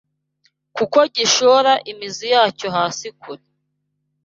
kuko gishora imizi yacyo hasi kure